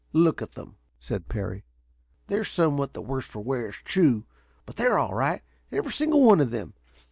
"Look at them," said Parry. "They're somewhat the worse for wear, it's true, but they're all right, every single one of them.